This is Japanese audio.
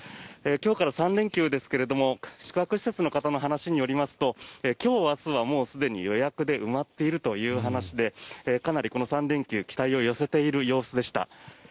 今日から３連休ですが宿泊施設の方の話によりますと今日明日はもうすでに予約で埋まっているという話でかなりこの３連休期待を寄せている様子でした。